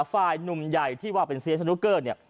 ฝ่ายหนุ่มใหญ่ที่ว่าเป็นเซียสนุกเกอร์เนี่ย